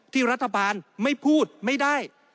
ที่รัฐบาลไม่พูดไม่ได้